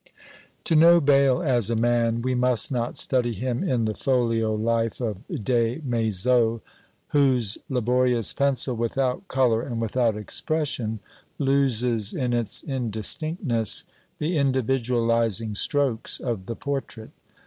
To know Bayle as a man, we must not study him in the folio Life of Des Maizeaux, whose laborious pencil, without colour and without expression, loses, in its indistinctness, the individualising strokes of the portrait.